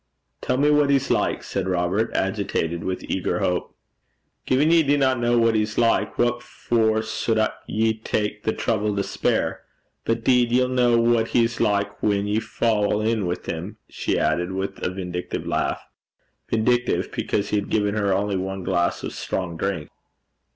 'Tell me what he's like,' said Robert, agitated with eager hope. 'Gin ye dinna ken what he's like, what for suld ye tak the trouble to speir? But 'deed ye'll ken what he's like whan ye fa' in wi' him,' she added, with a vindictive laugh vindictive because he had given her only one glass of strong drink.